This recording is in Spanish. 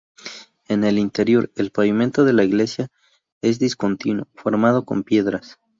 En el interior, el pavimento de la iglesia es discontinuo, formado con piedras.